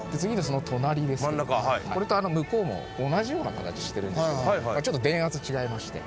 これとあの向こうも同じような形してるんですけどちょっと電圧違いまして。